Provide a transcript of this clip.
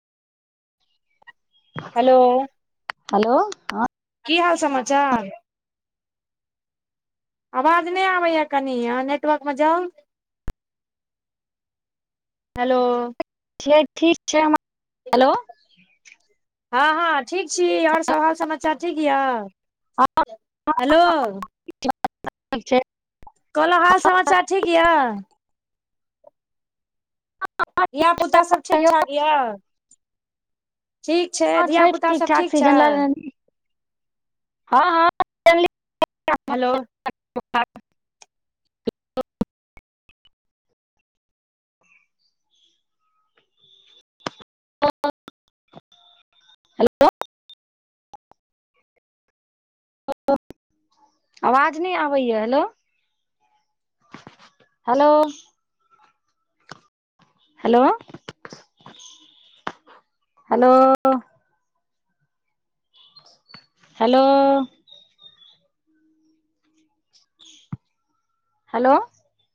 Hello hello हँ [inaudible] की हाल समाचार। आवाज नै आबैए कनि आहा नेटवर्क मे जाउ हेलो [unintelligible] हेलो हँ हँ ठीक छी और सब हाल समाचार ठीक यऽ [inaudible] हेलो [unintelligible] कहलौ हाल समाचार ठीक यऽ धिया पुता सब ठीक ठाक यऽ [inaudible] ठीक छै हँ धियापुता सब ठाक ठीक छै सीजन ल हेलो [unintelligible] [unintelligible] [inaudible] आवाज नै आबैया hello [inaudible] hello hello [inaudible] hello hello hello!